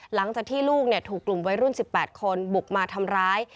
หลังจากที่ลูกถูกกลุ่มวัยรุ่น๑๘คนบุกมาทำร้าย